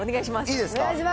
いいですか？